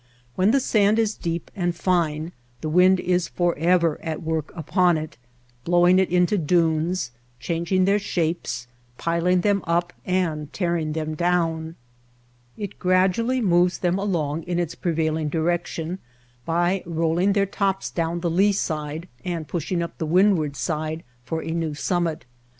When the sand is deep and fine the wind is forever at work upon it, blowing it into dunes, changing their shapes, piling them up and tearing them down. It gradually moves them along in its prevailing direction by rolling their tops down the lee side and pushing up the windward side for a new summit.